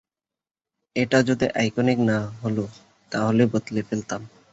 এটা যদি আইকনিক না হলো তাহলে বদলে ফেলতাম।